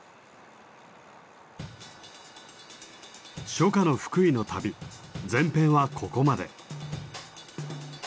初夏の福井の旅前編はここまで。